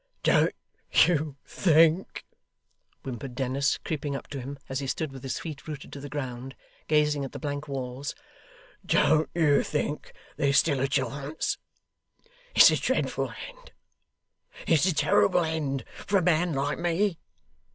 'Don't you think,' whimpered Dennis, creeping up to him, as he stood with his feet rooted to the ground, gazing at the blank walls 'don't you think there's still a chance? It's a dreadful end; it's a terrible end for a man like me.